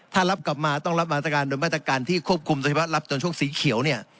ถ้ารับกลับมาต้องรับบรรษการโดยบรรษการที่ควบคุมสภิพัฒน์รับจนช่วงสีเขียว